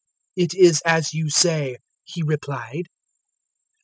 "It is as you say," He replied.